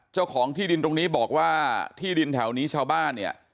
เจ้าของที่ดินตรงนี้บอกว่าที่ดินแถวนี้ชาวบ้านเนี่ย